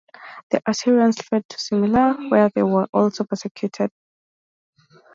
The Assyrians fled to Simele, where they were also persecuted.